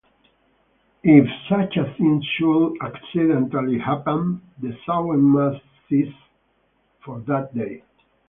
If such a thing should accidentally happen, the sowing must cease for that day.